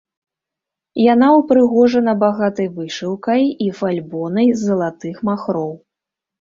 Яна ўпрыгожана багатай вышыўкай і фальбонай з залатых махроў.